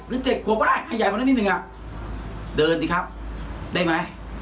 หรือ๗ขวบก็ได้ให้ใหญ่มานิดนึงอ่ะเดินดิครับได้ไหม